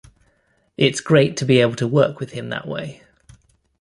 It's great to be able to work with him that way.